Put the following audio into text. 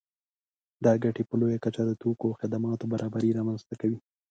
دا ګټې په لویه کچه د توکو او خدماتو برابري رامنځته کوي